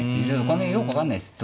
この辺よく分かんないです。